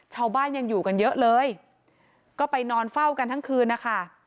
ชาวบ้านยังอยู่กันเยอะเลยก็ไปนอนเฝ้ากันทั้งคืนนะคะ